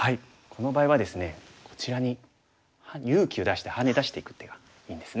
この場合はですねこちらに勇気を出してハネ出していく手がいいんですね。